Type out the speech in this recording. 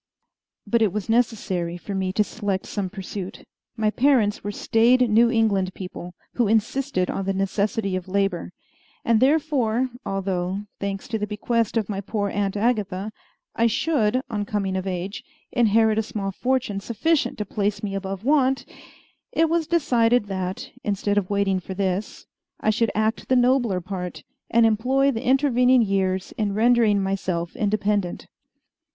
But it was necessary for me to select some pursuit. My parents were staid New England people, who insisted on the necessity of labor, and therefore, although, thanks to the bequest of my poor Aunt Agatha, I should, on coming of age, inherit a small fortune sufficient to place me above want, it was decided that, instead of waiting for this, I should act the nobler part, and employ the intervening years in rendering myself independent.